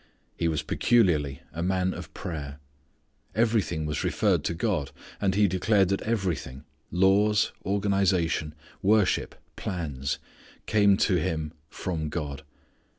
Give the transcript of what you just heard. He was peculiarly a man of prayer. Everything was referred to God, and he declared that everything laws, organization, worship, plans came to him from God.